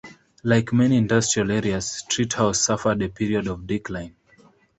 Like many industrial areas, Streethouse suffered a period of decline.